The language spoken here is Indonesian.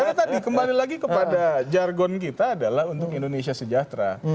karena tadi kembali lagi kepada jargon kita adalah untuk indonesia sejahtera